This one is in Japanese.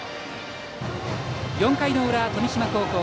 ４回の裏、富島高校。